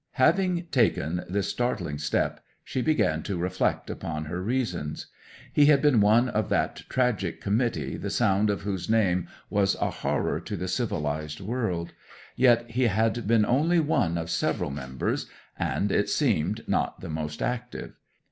'Having taken this startling step she began to reflect upon her reasons. He had been one of that tragic Committee the sound of whose name was a horror to the civilized world; yet he had been only one of several members, and, it seemed, not the most active.